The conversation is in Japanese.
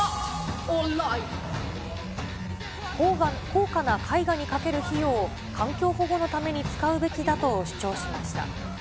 高価な絵画にかける費用を環境保護のために使うべきだと主張しました。